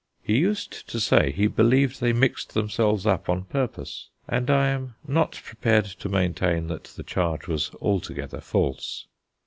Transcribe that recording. He used to say he believed they mixed themselves up on purpose, and I am not prepared to maintain that the charge was altogether false.